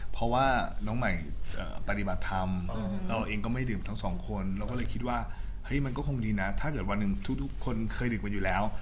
เพราะว่าน้องไหล่ปฎิบัติธรรมเองก็ไม่ดื่มตั้งสองคนแล้วก็เลยคิดว่ามันก็คงดีนะถ้าหรือวันหนึ่งทุกคนเคยอยู่แล้ว